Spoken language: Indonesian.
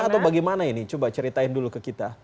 atau bagaimana ini coba ceritain dulu ke kita